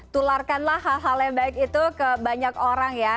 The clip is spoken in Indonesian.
tularkanlah hal hal yang baik itu ke banyak orang ya